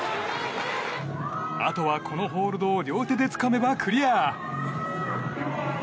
あとは、このホールドを両手でつかめばクリア。